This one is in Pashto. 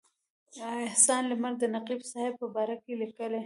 احسان لمر د نقیب صاحب په باره کې لیکي.